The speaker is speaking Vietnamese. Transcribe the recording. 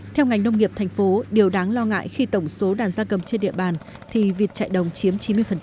theo ngành nông nghiệp thành phố điều đáng lo ngại khi tổng số đàn gia cầm trên địa bàn thì vịt chạy đồng chiếm chín mươi